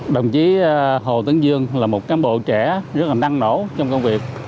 đồng chí hồ tướng dương là một cán bộ trẻ rất là năng nổ trong công việc